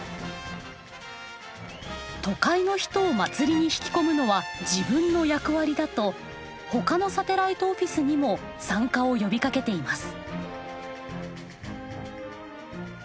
都会の人を祭りに引き込むのは自分の役割だとほかのサテライトオフィスにも参加を呼びかけています。